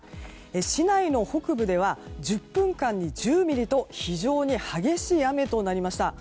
市内の北部では１０分間に１０ミリと非常に激しい雨となりました。